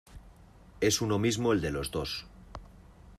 es uno mismo el de los dos.